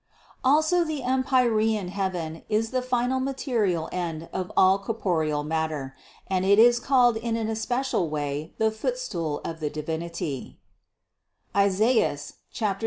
Also the empyrean heaven is the final material end of all corporeal matter; and it is called in an especial way the footstool of the Divinity (Isaias 66, 1).